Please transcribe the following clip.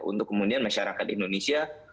untuk kemudian masyarakat indonesia